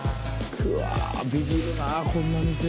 くわビビるなぁこんな店。